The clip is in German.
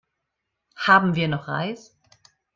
Haben wir noch Reis?